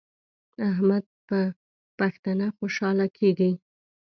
احمد په پښتنه خوشحاله کیږي.